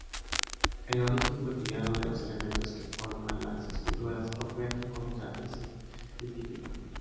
El origen cotidiano de los elementos que forman las esculturas-objeto contradicen el título.